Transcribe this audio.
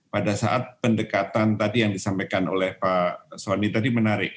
pada saat pendekatan tadi yang disampaikan oleh pak soni tadi menarik